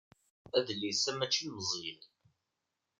Adlis-a mačči n Meẓyan.